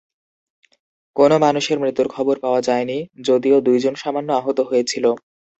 কোন মানুষের মৃত্যুর খবর পাওয়া যায়নি, যদিও দুইজন সামান্য আহত হয়েছিল।